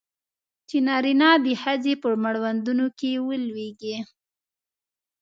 چې نارینه د ښځې په مړوندونو کې ولویږي.